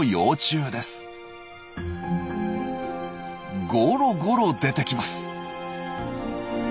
ゴロゴロ出てきます。